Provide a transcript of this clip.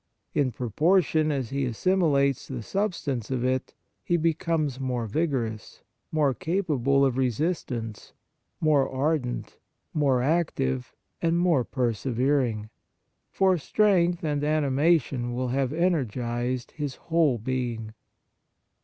In proportion as he assimilates the substance of it, he becomes more vigorous, more capable of resistance, more ardent, more active and more persevering; for strength and animation will have energized his whole being.